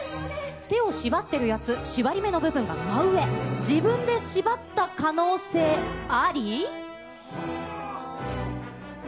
手を縛ってるやつ、縛り目の部分が真上、自分で縛った可能性あり？